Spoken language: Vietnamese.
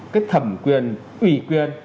cái thẩm quyền ủy quyền